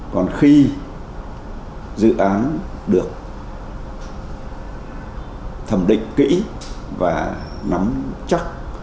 còn khi dự án được thẩm định kỹ và nắm chắc